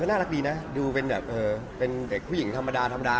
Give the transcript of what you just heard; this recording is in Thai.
เค้าน่ารักดีนะดูเป็นแบบว่าเป็นเด็กคุณหญิงธรรมดา